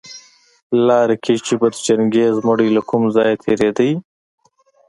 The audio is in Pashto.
لاره کي چي به د چنګېز مړى له کوم ځايه تېرېدى